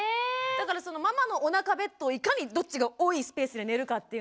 だからママのおなかベッドをいかにどっちが多いスペースで寝るかっていうのが。